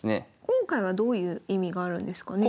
今回はどういう意味があるんですかね？